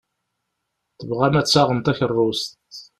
Tebɣam ad d-taɣem takeṛṛust.